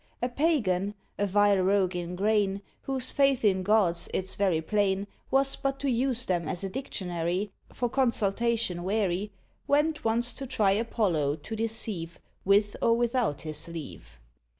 A Pagan a vile rogue in grain, Whose faith in gods, it's very plain, Was but to use them as a dictionary, For consultation wary Went once to try Apollo to deceive, With or without his leave.